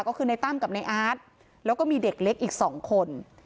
ก็คือในตั้มกับในอาร์ตแล้วก็มีเด็กเล็กอีก๒คน